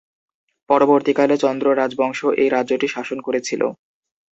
পরবর্তীকালে চন্দ্র রাজবংশ এই রাজ্যটি শাসন করেছিল।